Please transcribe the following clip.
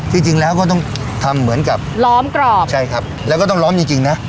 จริงแล้วก็ต้องทำเหมือนกับล้อมกรอบใช่ครับแล้วก็ต้องล้อมจริงจริงนะ